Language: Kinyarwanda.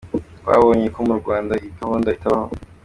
Twabonye ko mu Rwanda iyi gahunda itabaho.